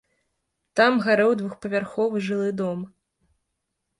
Там гарэў двухпавярховы жылы дом.